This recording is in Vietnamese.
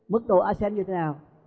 mức độ aten như thế nào